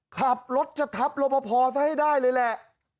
ขับรถจะทับรบพอซะให้ได้เลยแหละ